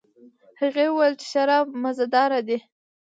هغې وویل چې شراب مزه دار دي.